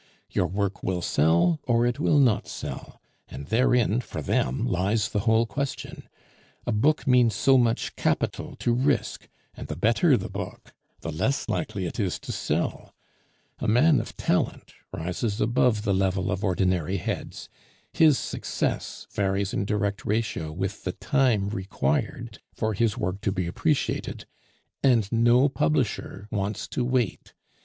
Your work will sell or it will not sell; and therein, for them, lies the whole question. A book means so much capital to risk, and the better the book, the less likely it is to sell. A man of talent rises above the level of ordinary heads; his success varies in direct ratio with the time required for his work to be appreciated. And no publisher wants to wait.